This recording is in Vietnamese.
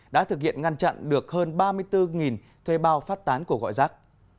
đã thực hiện ngăn chặn được hơn ba mươi bốn thuê bao phát tán cuộc gọi rác